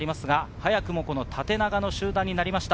早くも縦長の集団になりました。